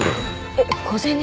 えっ小銭？